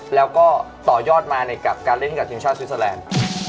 แล้วก็ต่อยอดมาในการเล่นกับทีมชาติสวิสเตอร์แลนด์